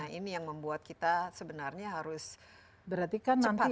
nah ini yang membuat kita sebenarnya harus cepat kan